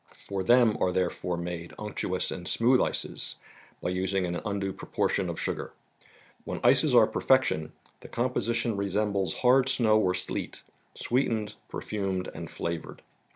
For them are therefore made unctuous and smooth ices, by using an undue proportion of sugar. When ices are perfection, the composition resembles hard snow or sleet, sweetened, perfumed and flavored.